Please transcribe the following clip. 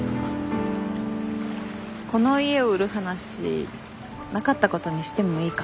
この家を売る話なかったことにしてもいいかな？